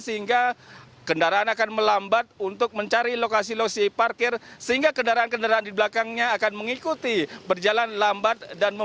sehingga kendaraan akan melambat untuk mencari lokasi lokasi parkir sehingga kendaraan kendaraan di belakangnya akan mengikuti berjalan lambat